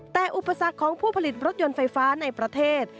แต่อุปสรรคของผู้ผลิตรถยนต์ไฟฟ้าในประเทศ